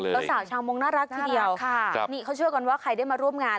สาวชาวมงค์น่ารักทีเดียวนี่เขาเชื่อกันว่าใครได้มาร่วมงาน